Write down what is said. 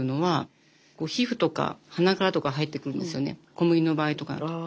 小麦の場合とかだと。